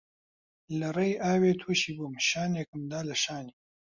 لە ڕێی ئاوێ تووشی بووم شانێکم دا لە شانی